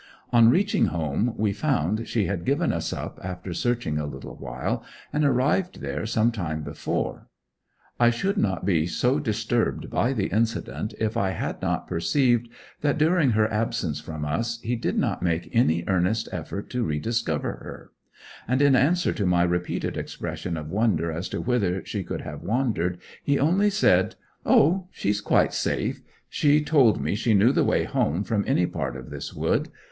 On reaching home we found she had given us up after searching a little while, and arrived there some time before. I should not be so disturbed by the incident if I had not perceived that, during her absence from us, he did not make any earnest effort to rediscover her; and in answer to my repeated expressions of wonder as to whither she could have wandered he only said, 'Oh, she's quite safe; she told me she knew the way home from any part of this wood.